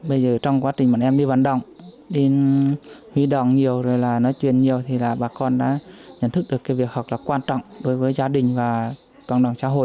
bây giờ trong quá trình bọn em đi vận động đi huy động nhiều rồi là nói chuyện nhiều thì là bà con đã nhận thức được cái việc học là quan trọng đối với gia đình và cộng đồng xã hội